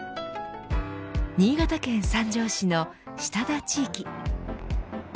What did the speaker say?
新潟県三条市の下田地域。